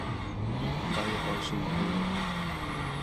樊一蘅是宜宾人。